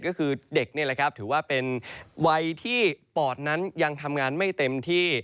ก็คือเด็กนี่แหละครับถือว่าเป็นวัยที่ปอดนั้นยังทำงานไม่เต็มที่